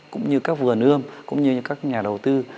cũng như các vườn ươm cũng như các nhà đầu tư